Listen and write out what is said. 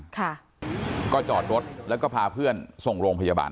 ค่ะก็จอดรถแล้วก็พาเพื่อนส่งโรงพยาบาล